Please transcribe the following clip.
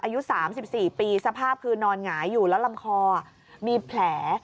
อายุ๓๔ปีสภาพคือนอนหงายอยู่แล้วลำคอมีแผล